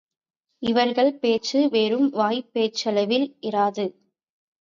இவர்கள் பேச்சு வெறும் வாய்ப்பேச்சளவில் இராது.